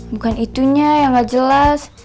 bukan itunya yang gak jelas